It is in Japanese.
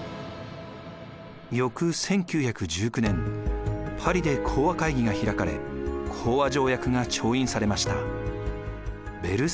翌１９１９年パリで講和会議が開かれ講和条約が調印されました。